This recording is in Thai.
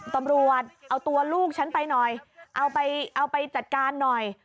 ตำรวจเอาตัวลูกฉันไปหน่อยเอาไปเอาไปจัดการหน่อย